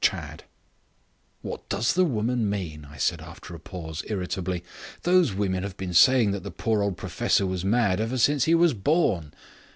Chadd." "What does the woman mean?" I said after a pause, irritably. "Those women have been saying that the poor old professor was mad ever since he was born."